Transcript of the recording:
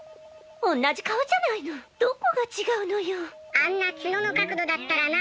あんなツノの角度だったらなあ。